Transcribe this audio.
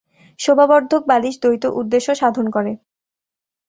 শোভাবর্ধক বালিশ দ্বৈত উদ্দেশ্য সাধন করে।